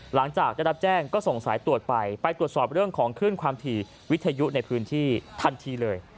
หลังจากได้รับแจ้งก็ส่งสายตรวจไปไปตรวจสอบเรื่องของขึ้นความถี่วิทยุในพื้นที่ทันทีเลย